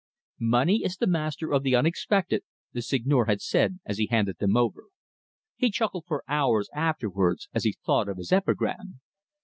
"Money is the master of the unexpected," the Seigneur had said as he handed them over. He chuckled for hours afterwards as he thought of his epigram.